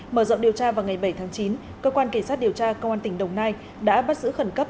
mở rộng điều tra vào ngày bảy tháng chín cơ quan kỳ sát điều tra công an tỉnh đồng nai đã bắt giữ khẩn cấp